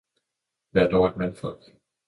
vær dog et mandfolk!